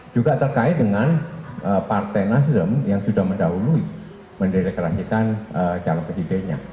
juga terkait dengan partai nasrem yang sudah mendahului menderekasikan calon kejadiannya